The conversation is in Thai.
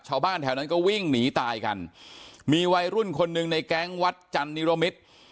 ชาวบ้านแถวนั้นก็วิ่งหนีตายกันมีวัยรุ่นคนหนึ่งในแก๊งวัดจันนิรมิตร